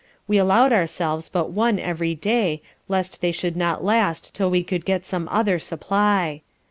We allowed ourselves but one every day, least they should not last 'till we could get some other supply.